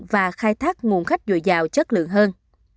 và khai thác nguồn khách dồi dào chất lượng hơn